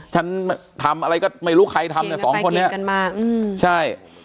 ฉันทำอะไรก็ไม่รู้ใครทำเนี่ยสองคนนี้กันมาอืมใช่